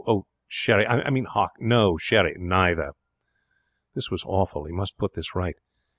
'Oh, sherry. I mean hock. No, sherry. Neither.' This was awful. He must put this right.